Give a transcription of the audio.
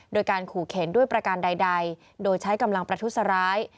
โดยการขู่เข็นด้วยประการใดโดยใช้กำลังประทุษร้าย